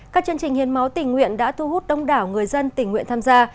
các chương trình hiến máu tỉnh nguyện đã thu hút đông đảo người dân tỉnh nguyện tham gia